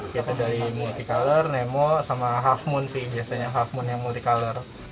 kita dari multicolor nemo sama half moon sih biasanya half moon yang multicolor